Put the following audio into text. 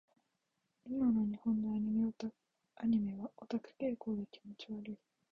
今の日本のアニメはオタク傾向で気持ち悪い。